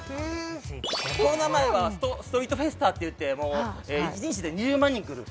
コロナ前はストリートフェスタっていって１日で２０万人来る。